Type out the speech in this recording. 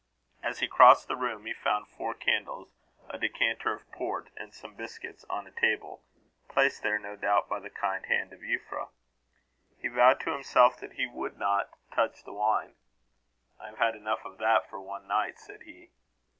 As he crossed the room, he found four candles, a decanter of port, and some biscuits, on a table placed there, no doubt, by the kind hands of Euphra. He vowed to himself that he would not touch the wine. "I have had enough of that for one night," said he.